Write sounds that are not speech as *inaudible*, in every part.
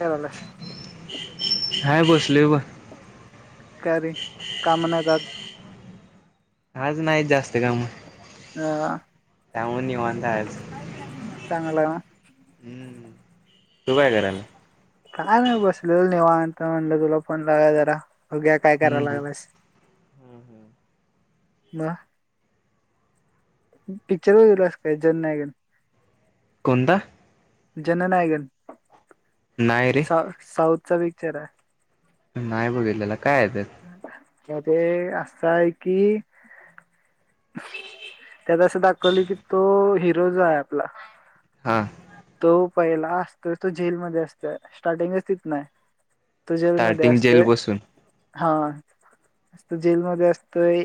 करायलास हाय बघ. स्लेवा. कारे काम नाहीत आज. आज नाहीत जास्त काम. अ त्यामुळे निवांत आहे आज हा चांगला हम्म काय बसलो निवांत. म्हणलं तुला फोन लावूया जरा. होघ्या काय करायला हम्म बस. म. पिक्चर व गेल काय जन नाहीयक. कोता. जननायकन. नाही रे सा साऊथ. च बीचरा. नाहीय बघल ल काय आहे त्यात. त्या ते असं आहे. कि त्यात असं दाखवलं कि, तो हिरो जो आहे. आपला. हा. तो पहिला असतोय, तो जेलमध्ये असतो स्टार्टिंगच तिथ हाय. स्टार्टिंग जेल बसून. हा जेलमध्ये असतय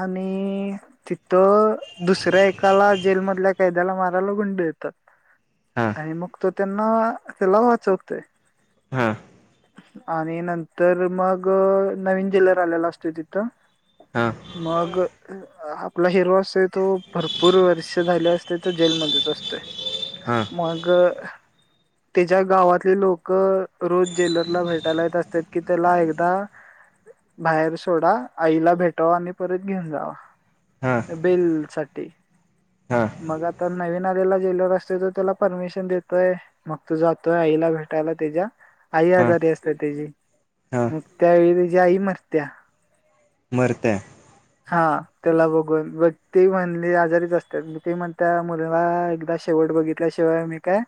आणि तिथं. दुसऱ्या एकाला जेलमधल्या. कैद्याला मारायला गुंड येतात. हा आणि मग तो. त्यांना त्याला वाचकतेय. हा. आणि नंतर मग नवीन ज्वेलर आलेला असतो तिथं. हा मग अ हा. तुला हे रोज. कसा आय तू भरपूर वर्ष झाले अस ते तर जेलमध्येच असतेय. हा मग. त्याच्या गावातले लोक रोज. जेलरला भेटायला येत असतात कि, त्याला एकदा बाहेर सोडा, आईला भेटावा आणि परत घेऊन जावा. हा बेल सट ते. हा मग आता नवीन. ला जेल असत्यात त्याला परमिशन देतोय, मग तू जातोय आईला भेटायला त्याच्या. आई हा आजारी असते, त्याची हा मग त्यावेळी. जाई मारत्या मरते. हा त्याला बघून बघ ते म्हणली. आजारीच असतात ते म्हण त्या मुलाला एकदा शेवट बघितल्या शिवाय मी काय.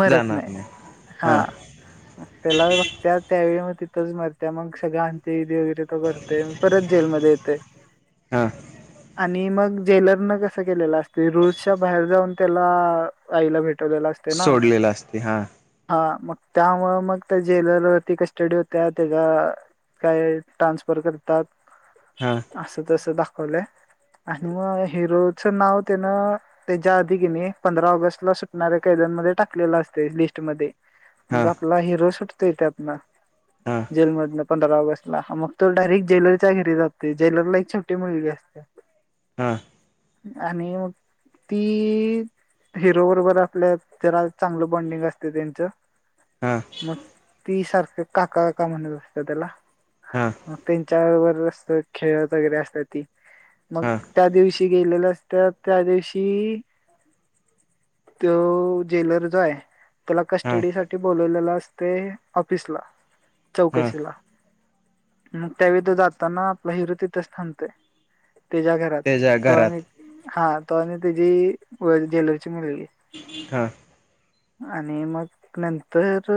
मरत नाही हा. त्याला त्या त्यावेळी तिथंच मरत मग सगळ आणते करते परत जेलमध्ये येते हा आणि मग जेलर न कस केलेला असते रुसच्या बाहेर जाऊन त्याला आईला भेट सोडलेला असते हा त्यामु मग त्या जेलवरती कस्टडी होत्या त्याच्या काय ट्रान्सफर करतात हा असं तसं दाख आणि मग हिरोचं नाव त्यानं त्याच्या आधी किने पंधरा ऑगस्टला सुटणाऱ्या कैद्यांमध्ये टाकलेलं असते लिस्टमध्येध्ये हा मग आपला हिरो शूट ते टप ना हा हा जेल मधलं पंधरा ऑगस्ट ला मग तो डायरेक्ट ज्वेलरीच्या घेरी जातो ज्वेलरीला एक छवटी मिली असते हा आणिग ती हिरो बरोबर आपल्या त्याला चांगलं बॉनडिंग असते त्यांचं हा म त सारख काका काका म्हणत असत त्याला हा मच चार वर खेळत वगैरे असतात ती मग हा त्या दिवशी गेलेल असत त्या दिवशी तो जेलर जो आहे तुला कस्टडीसाठीठी बोलवलेला असते ऑफिस ला हा चौकशीला मग त्यावेळी त जाताना आपला हिरो तिथेच थांबते तच्या घरात त्याच्या तो घरात आणिक हा आणि त्याची व ज्लरी हा आणि मग नंत तर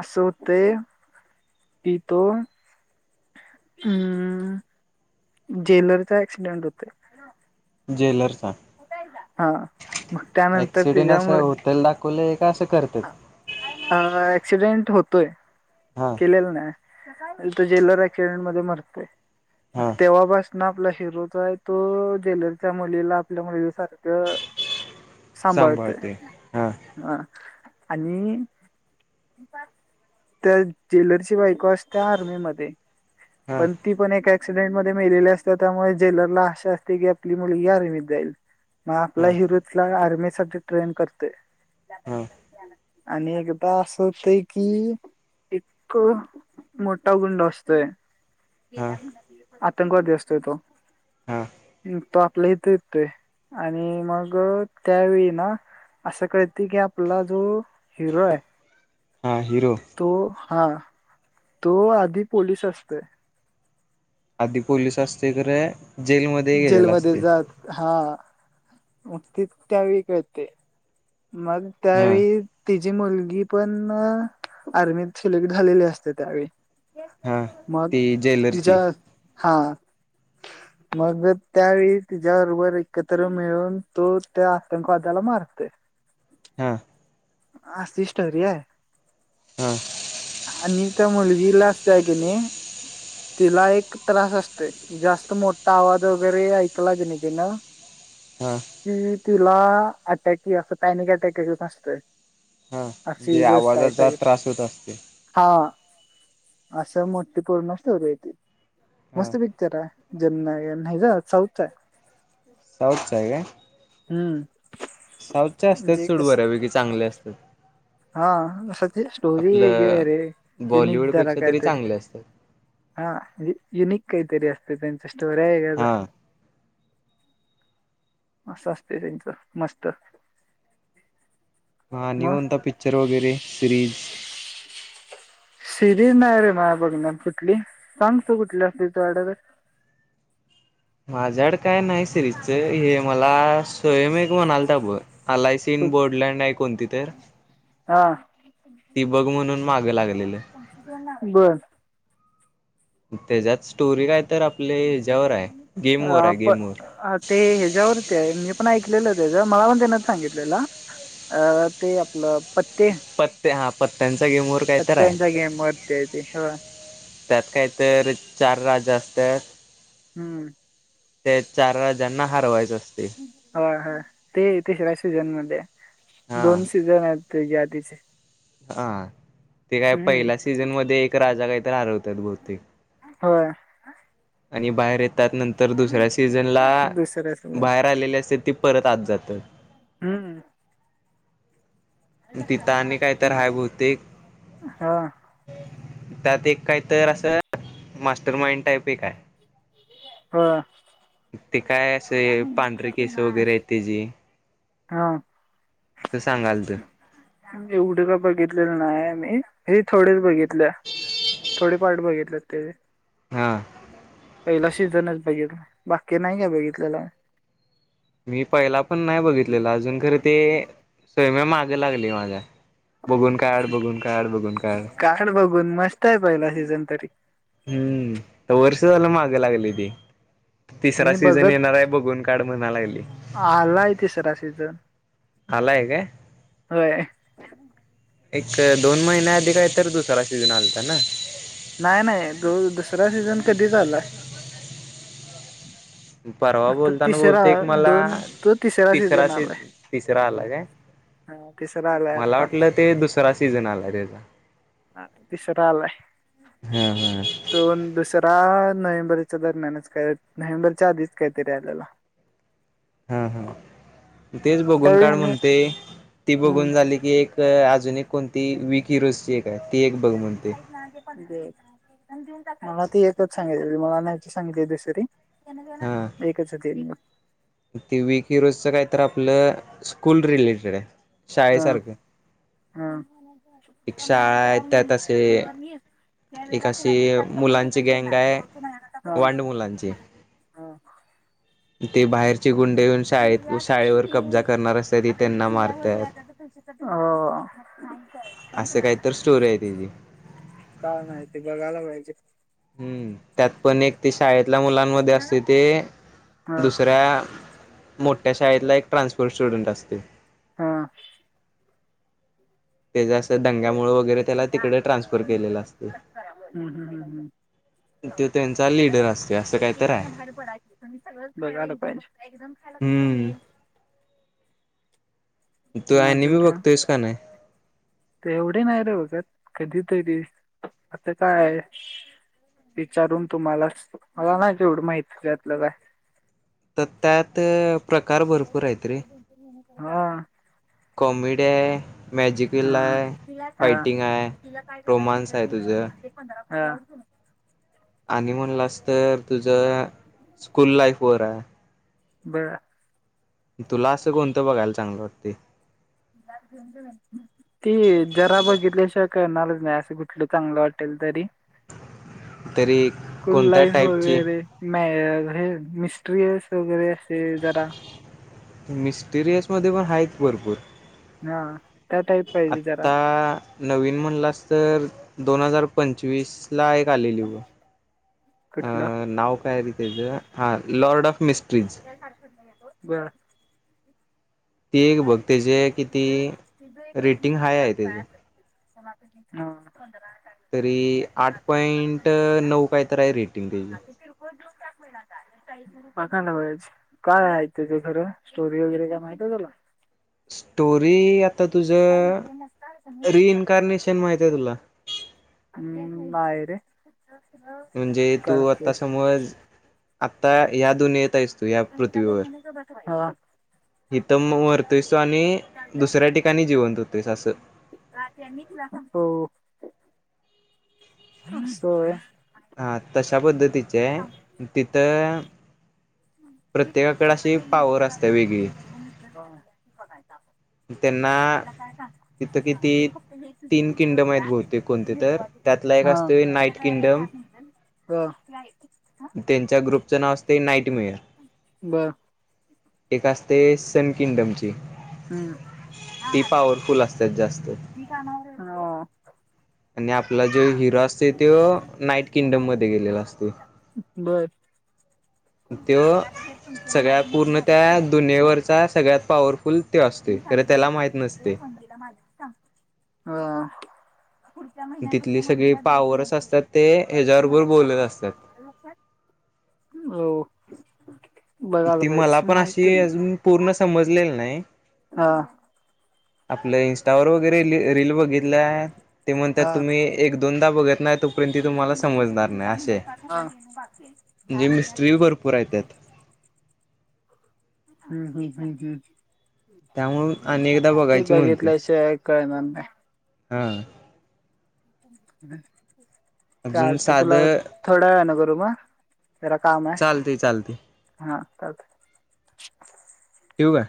अस होते की तो अमं जेलरचा ऍक्सिडेंट होते ज्वेलर्स हा मग त्यानंतर ऍक्सिडेंट असं त्याच्यामुळे *unintelligible* अ एक्सीडेंट होतोय हा केलेल नाय तो जेलर एक्सिडेंट मध्ये मरतंय हा तेव्हा बस आपला हिरो जो आहे तो जेलरच्या मुलीला आपल्या मुलगी सारखं सांभाळतंय सांभाळते हा हह आणि त्या जेलरची बायको असत्या आर्मी मध्ये हा पण ती पण एक ऍक्सिडेंट मध्ये मेलेली असते त्यामुळे जेलरला आशा असते की आपली मुलगी आर्मीत जाईल मग आपला हा हिरो तिला आर्मी साठी ट्रेन करतोय हा आणि एकदा असं होतय कि एक मोठा गुंड असतोय हा आतंकवादी असतोय तो हा तो आपल्या इथे येतेतोय आणि मग त्यावेळी ना असं कळत त की आपला जो हिरो आहे हां हिरो तो हा तो आधी पोलीस असतोय आधी पोलीस असतेत रं जेलमध्ये जात हा मग ती त्या वेळी कळते मग हा त्यावेळी तिची मुलगी पण आर्मीत सिलेक्ट झालेली असते त्यावेळी हा मग ती तिच्या जेलरची हा मग त्यावेळी तिच्याबरोबर एकत्र मिळून तो त्या आतंकवादाला मारतंय. हा अशी स्टोरी आहे हा आणि त्या मुलगीला असते आहे की नाही तिला एक त्रास असतोय जास्त मोठा आवाज वगैरे ऐकला की नाय तिनं हा तिला अटॅक हि असं पॅनिक अटॅक येत असतंय हा म्हणजे आवाजाचा त्रास होत असते अशा ही मोठी पुर्ण स्टोरी हाय हा मस्त पिक्चर आहे *inaudible* साऊथचा आहे साऊथचा हाय काय हम्म साऊथचे असतेत म्हणजे सोड कस बऱ्यापैकी चांगले असतेत हम् हा अस स्टोरी वेगळी आहे आपलं रे युनिक जरा बॉलिवूडपेक्षा तरी काहीतरी चांगले असतात हा युनिक काहीतरी असते त्यांच्या स्टोर्या ऐकत जा हा म असत त्यांचं मस्त हा मग निवांत पण पिक्चर वगैरे सिरीज सिरीज नाही रे म बघण्या कुठली सांग त कुठली असतेच वाड तर माझ्याड काय नाही सिरीचं हे मला सोयमेक म्ह आलताा बय आलायसीन बोर्डलँड आहे कोणती तर हा ती बघ म्हणून माग लागलेलं. बर त्याच्यात स्टोरी काय तर आपले हच्यावर आहे गेम वर आहे आप गेम वर ते ह्याच्यावरती आहे मी पण ऐकलेलं त्याच मला पण त्यान सांगितलेलं अ ते आपलं पत्ते पत्त हा पत्त्यांचा गेमर काय तर आहे पत्त्यांच्या गेम वरती आहे ते होय त्यात काय तर चार राज्य असत. हम्म ते चार ज्यांना हरवायचं असत. ह ह ते ते तिसऱ्या सीझनमध्ये हा दोन सीझन आहेत त्याच्या आधीच हा ते काय पहिल्या सीझन मध्ये एक राजा काय? हरवतात बहुतेक होय. आणि बाहेर येत. त्यानंतर दुसऱ्या सीझनला दुसऱ्या सीझन बाहेर आलेली असते ती परत आत. जातो. हम्म. तिथं आणि काय तर हाय बहुतेक *unintelligible* हा. त्यात एक काय तर असं मास्टर माइंड टाईप एक आहे. ह. ते काय असं पांढरे केस वगैरे आहे ते जे हा. असं सांगाल त एवढं का बघितलेलं नाही मी हे थोडेच बघितले थोडे पार्ट बघितले हा. पहिला सीझनच बघितलं बाकी नाही का बघित तला. मी पहिला पण नाही बघितलेला अजून खरं ते सर्वे मागे लागली माझ्या बघून काढ बघून काढ बघून काढ काळ बघून मस्त आहे पहिला सी जन तरी हम्म वर्ष झालं मागं लागली ती तिसरा मी सीझन बघत येणार आहे बघून काढ म्हणा लागली आलाय तिसरा सीझन आलाय काय होय एक दोन महिन्या आधी काही तर दुसरा सीझन आलता ना दसरा सीझन कधी झालाय परवा बोलताना बोलते क मला दोन तो तिसरा सीझन सी आलाय तिसरा आला काय हा तिसरा आलाय मला आता वाटलं ते दुसरा सीझन आला त्याचा तिसरा आलाय हा दोन दुसरा नोव्हेंबरच्या दरम्यानच नोवहेंबरच्या आधीच काहीतरी आलेला हा हा तेच बघून त्यावेळी काढ मी म्हणते ती हम्म बघून झाली की एक अजून कोणती वीक हिरोजची आहे ती एक बघ *unintelligible* म्हणते मला ती एकच सांगाची मला न्यायची सांगितली दुसरी हा एकच ये ते ती वीक हिरोजच काय तर आपलं स्कूल रिलेटेड आहे शाळेसारखं एक शाळा आहे माझान त्यात असे नंबर वीस त्या वे तुला अशी एक तासज मुलांची गँग देणार आहे तु्नत वांड मुलांची मला ते बाहेरचे गुंडे येऊन मी शाळेत व्याज शाळेवर कब्जा कशीन करणार असतात ते आता म त्यांना दिल्यावर मारतात. व्याज आता असं काही तर स्टोरी आहे त्याची काय माहिती बघायला पाहिजे हम्म त्यात पण एक ते शाळेत ल्या मुलांमध्ये असते ते हा दुसऱ्या मोठ्या शाळेतला एक ट्रान्सपोर्ट स्टुडंट असते हा त्याच्या असं दंग्यामुळे वगैरे त्याला तिकडे ट्रान्सफर केलेला असत हम्म. तो त्यांचा लिडर असतो असं काहीत आहे हम्म तू अजून ॲनिमी का बघतोयस नाही? ते एवढे नाही रे बघत कधीतरी असतां काय आहे विचारून तुम्हाला मला ना जवढं माहिती त्यातलं काय तर त्यात प्रकार भरपूर आहेत रे हा ते त आहे तला काय क रोमांस आहे तुझं हा आणि म्हणला अस तर तुझ स्कूल लाईफ वर आहे बळा तुला असं कोणतं बघायला चांगलं वाटते ते जरा बघितल्याशावा काणाज नाही असं कुठलं चांगलं वाटेल तरी तरी स्कूल कोणत्या लाईफ टाईपची वगैरे म हे मिस्टरी यस वगैरे असं ते जरा मिस्टिरियस मध्ये पण आहे की भरपूर हा त्या टाईप पाहिजे जरा आता नवीन म्हणलास तर दोन हजार पंचवीस ला एक आलेली बग कुठलं अ नाव काय र तेचं हा लॉर्ड ऑफ मिस्ट *unintelligible* बर ती एक काय बघ म त्याचे किती तिथं तिथं एक रक म रेटिंग घेऊन हाय आहे त्याचं टाकतय हा तरी आठ पॉइंट नऊ काय तर आहे रेटिंग त्या पाखांडा वयाच काय आहे तझ खरं स्टोरी वगैरे काय माहित आहे तुला स्टोरी आ आता तुझ रिइन्कारनेशन माहित आहे तुला हम्म नाय रे म्हणजे काय तू असते? आता समज आ ता या दुनियेत तयस तु या पृथ्वीवर हा इथं मरतोयस तो आणि दुसऱ्या ठिकाणी जिवंत होतोयस असं. हो. सोय हा तशी त्या पद्धतीचे तिथं प्रत्येकाकडे अशी पॉवर असते वेगळी *inaudible* त्यांना तिथं किती तीन किंगडम आहेत बहुतेक कोणते तर त्यातला एक हा असते नाईट किंगडम, हा त्यांच्या ग्रुपचं नाव असते नाईट मेअर बरं. ते सन किंगडमची हम्म ती पॉवरफुल असतात जास्त हो. नी आपला जो हिर क्रॉसय त्यो नाईट किंगडम मध्ये गेलेला असते, बर त्यो सगळ्या पूर्ण त्या दुनियेवरचा सगळ्यात पॉवरफुल ते असते खरं त्याला माहीत नसते हा. पुढच्या महिन्यापासून तिथली सगळी मंदिरात द्यायचं पावरच नाही असतात ते *unintelligible* ह्याच्याबरोबर मला बोलत पाठवायचा असतात आलं लक्षात हो. बघायला ती मला पाहिजे पण अशी माहिती नाही. अजून पूर्ण समजलेला नाही हा. आपलं इनस्टावर वगैरे लीर रीलील बघितल्या ते म्हणत्यात तुम्ही एक-दोन ता बघत नाहीत. गेल्या म्हणलो तुमचा ते *unintelligible* महिन्यात *unintelligible* बाकी आहे म या म्हणजे मिस्ट्री महिन्यात भरपूर आहेत त्यात हम्म हम्म हम्म हम्म. तत्यामुळं आणि एकदा बघायची म्हणते करणार नाय हा. मे चाल अजून ते तुला साधं थोड्या ना करू मग? चालते चालते *unintelligible* काढते ठेवू काय?